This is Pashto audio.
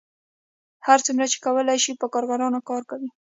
هغه څومره چې کولی شي په کارګرانو کار کوي